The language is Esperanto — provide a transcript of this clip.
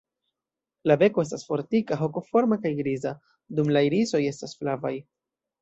La beko estas fortika, hokoforma kaj griza, dum la irisoj estas flavaj.